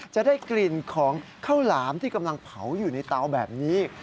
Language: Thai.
จะได้กลิ่นของข้าวหลามที่กำลังเผาอยู่ในเตาแบบนี้